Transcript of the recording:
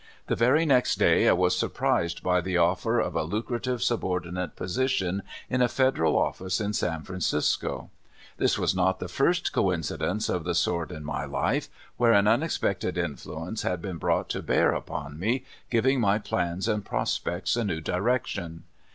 The very next day I was surprised by the offer of a lucrative subordinate position in a federal office in San Francisco. This was not the first coincidence of the sort in my life, where an unexpected influence had been brought to bear upon me, giving my plans and prospects a new di rection.